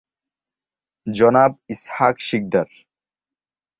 জনাব ইসহাক সিকদার